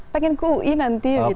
pengen kuih nanti ya